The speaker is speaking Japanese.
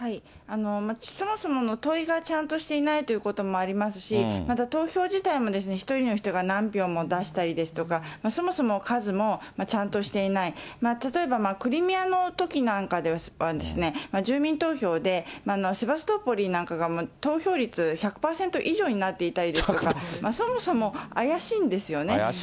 そもそもの問いがちゃんとしていないということもありますし、投票自体も１人の人が何票も出したりですとか、そもそも数もちゃんとしていない、例えばクリミアのときなんかでは、住民投票で、投票率１００％以上になっていたりですとか、そもそも怪しいんですよね。